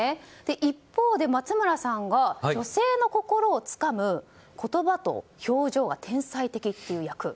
一方で、松村さんが女性の心をつかむ言葉と表情が天才的という役。